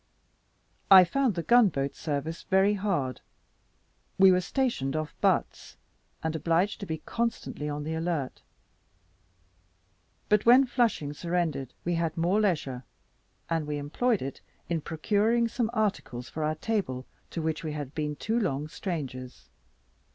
I found the gun boat service very hard. We were stationed off Batz, and obliged to be constantly on the alert; but when Flushing surrendered we had more leisure, and we employed it in procuring some articles for our table, to which we had been too long strangers.